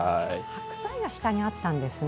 白菜が下にあったんですね。